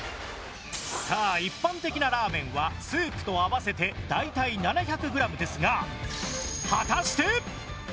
さあ一般的なラーメンはスープと合わせて大体７００グラムですが果たして。